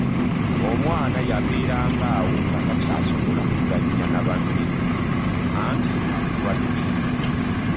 Omwana yabeeranga awo nga takyasobola kuzannya na banne anti nga mulwadde.